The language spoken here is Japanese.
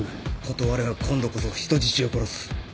断れば今度こそ人質を殺す。